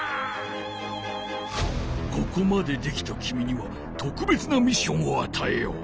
ここまでできたきみにはとくべつなミッションをあたえよう。